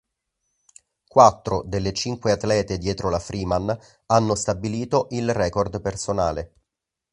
Quattro delle cinque atlete dietro la Freeman hanno stabilito il record personale.